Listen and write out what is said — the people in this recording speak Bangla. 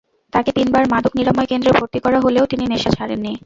তাঁকে তিনবার মাদক নিরাময় কেন্দ্রে ভর্তি করা হলেও তিনি নেশা ছাড়েননি।